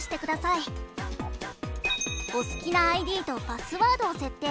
お好きなＩＤとパスワードを設定。